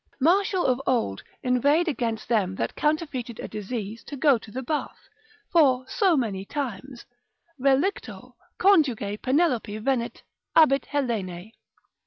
Martial of old inveighed against them that counterfeited a disease to go to the bath; for so, many times, ———relicto Conjuge Penelope venit, abit Helene.